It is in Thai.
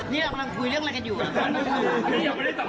นี่เรากำลังคุยเรื่องอะไรกันอยู่